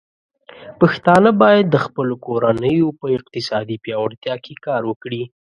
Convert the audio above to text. پښتانه بايد د خپلو کورنيو په اقتصادي پياوړتيا کې کار وکړي.